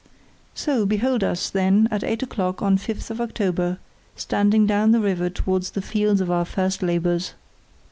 So behold us, then, at eight o'clock on October 5, standing down the river towards the field of our first labours.